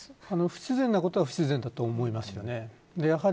不自然なことは不自然だと思いますね。